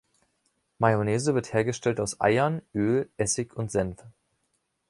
Mayonnaise wird hergestellt aus Eiern, Öl, Essig und Senf.